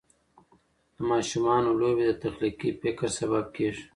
د ماشومانو لوبې د تخلیقي فکر سبب کېږي.